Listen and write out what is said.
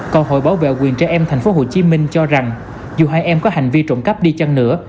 còn hội bảo vệ quyền trẻ em tp hcm cho rằng dù hai em có hành vi trộm cắp đi chăng nữa